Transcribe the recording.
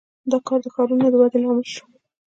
• دا کار د ښارونو د ودې لامل شو.